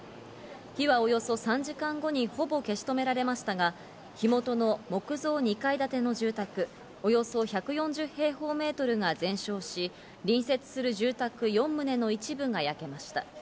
火はおよそ３時間後にほぼ消し止められましたが、火元の木造２階建ての住宅およそ１４０平方メートルが全焼し、隣接する住宅４棟の一部が焼けました。